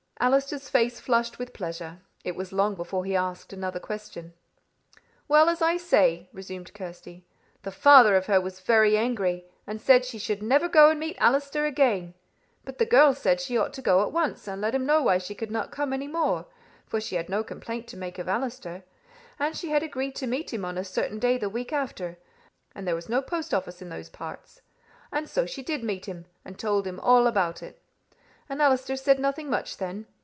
Allister's face flushed with pleasure. It was long before he asked another question. "Well, as I say," resumed Kirsty, "the father of her was very angry, and said she should never go and meet Allister again. But the girl said she ought to go once and let him know why she could not come any more; for she had no complaint to make of Allister; and she had agreed to meet him on a certain day the week after; and there was no post office in those parts. And so she did meet him, and told him all about it. And Allister said nothing much then.